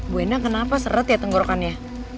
buena kenapa seret ya tenggorokannya